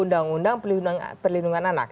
undang undang perlindungan anak